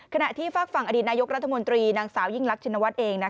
ที่ฝากฝั่งอดีตนายกรัฐมนตรีนางสาวยิ่งรักชินวัฒน์เอง